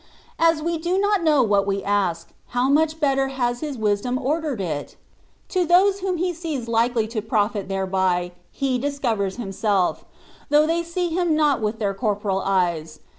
As we do not know what we ask, how much better has His wisdom ordered it! To those whom He sees likely to profit thereby. He dis covers Himself; though they see Him not with their corporal eyes.